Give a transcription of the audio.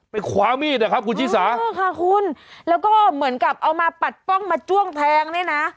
ไปขวามีดคุณชีสาค่ะคุณแล้วก็เหมือนกับเอามาปัดป้องมาจ้วงแทงนี่นะ